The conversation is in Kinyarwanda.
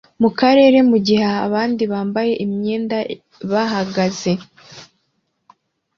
mukarere mugihe abandi bambaye imyenda bahagaze